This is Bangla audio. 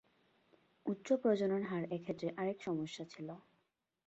উচ্চ প্রজনন হার এক্ষেত্রে আরেক সমস্যা ছিলো।